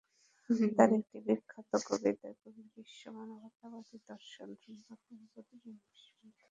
তাঁর একটি বিখ্যাত কবিতায় কবির বিশ্ব মানবতাবাদী দর্শন সুন্দরভাবে প্রতিবিম্বিত হয়েছে।